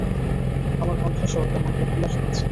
আমার কণ্ঠস্বর কেমন কোকিলা শোনাচ্ছে।